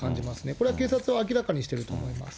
これは警察は明らかにしてると思います。